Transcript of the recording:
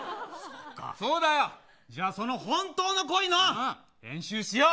じゃあ、その本当の恋の練習をしよう。